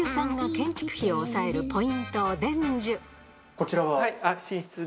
こちらは？